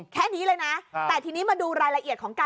เขียนบีบทรง